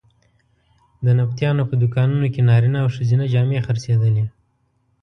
د نبطیانو په دوکانونو کې نارینه او ښځینه جامې خرڅېدلې.